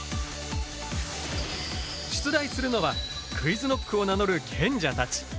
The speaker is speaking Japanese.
出題するのはＱｕｉｚＫｎｏｃｋを名乗る賢者たち。